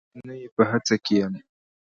او نه یې په هڅه کې یم